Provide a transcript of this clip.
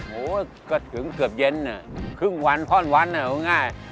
โหก็ถึงเกือบเย็นครึ่งวันพร้อมวันง่าย